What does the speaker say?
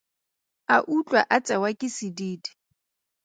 A utlwa a tsewa ke sedidi.